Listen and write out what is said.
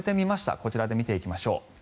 こちらで見ていきましょう。